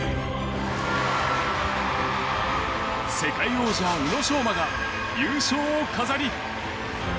世界王者・宇野昌磨が優勝を飾り。